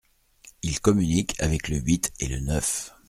Il communique avec le huit et le neuf…